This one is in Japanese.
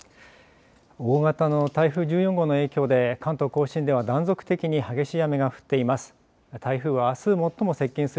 大型の台風１４号の影響で関東甲信では断続的に激しい雨が降っています。